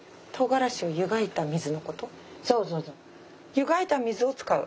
湯がいた水を使う？